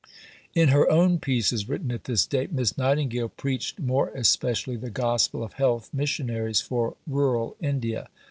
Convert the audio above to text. In her own pieces written at this date, Miss Nightingale preached more especially the gospel of Health Missionaries for Rural India.